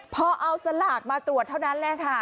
พอเอาสลากมาตรวจเท่านั้นแหละค่ะ